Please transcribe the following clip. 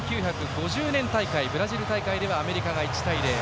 １９５０年、ブラジル大会ではアメリカが１対０。